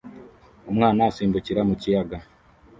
Umwana usimbukira mu kiyaga